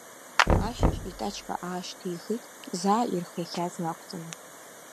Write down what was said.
Ашьыжь итачка аашьҭихит, заа ирхиахьаз нақәҵаны.